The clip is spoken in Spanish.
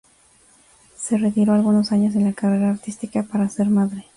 Se retiró algunos años de la carrera artística para ser madre.